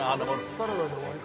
サラダで終わりか？